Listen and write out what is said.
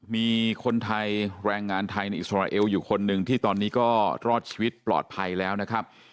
มีคนไทยแรงงานไทยในอิสราเอลอยู่คนหนึ่งที่ตอนนี้ก็รอดชีวิตปลอดภัยแล้วนะครับ